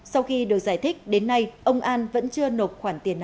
sau khi được giải thích đến nay ông an vẫn chưa nộp khoản tiền nào